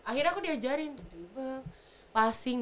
akhirnya aku diajarin passing